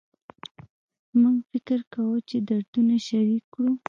موږ فکر کوو چې دردونه شریک کړو